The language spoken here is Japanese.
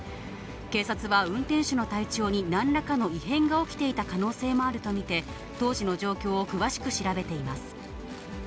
警察は運転手の体調になんらかの異変が起きていた可能性もあると見て、当時の状況を詳しく調べています。